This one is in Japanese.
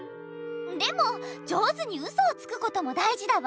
でも上手にウソをつくこともだいじだわ。